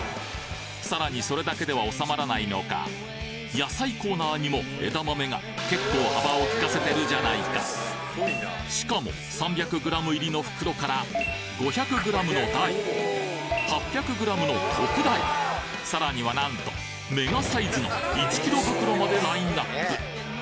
さらにそれだけでは収まらないのか野菜コーナーにも枝豆が結構幅をきかせてるじゃないかしかも３００ｇ入りの袋から５００ｇの大８００ｇの特大さらにはなんとメガサイズの１ｋｇ袋までラインナップ！